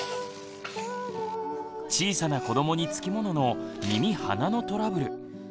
小さな子どもにつきものの耳・鼻のトラブル。